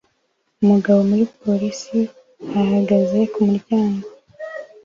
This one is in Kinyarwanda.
Umugabo muri policeis ahagaze kumuryango